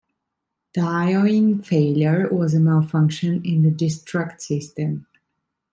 The lone failure was a malfunction in the destruct system.